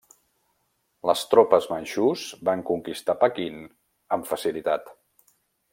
Les tropes manxús van conquistar Pequín amb facilitat.